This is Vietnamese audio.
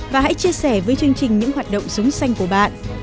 và hãy chia sẻ với chương trình những hoạt động sống xanh của bạn